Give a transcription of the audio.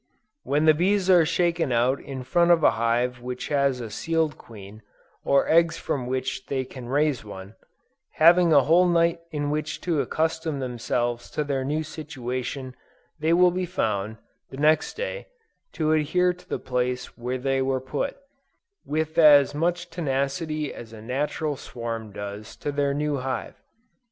When the bees are shaken out in front of a hive which has a sealed queen, or eggs from which they can raise one, having a whole night in which to accustom themselves to their new situation, they will be found, the next day, to adhere to the place where they were put, with as much tenacity as a natural swarm does to their new hive.